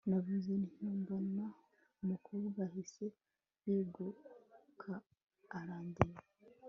navuze ntyo mbona umukobwa ahise yeguka arandeba